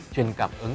truyền cảm ứng